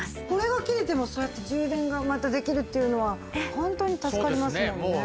これが切れてもそうやって充電がまたできるっていうのは本当に助かりますものね。